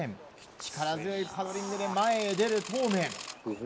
力強いパドリングで前へ出る當銘。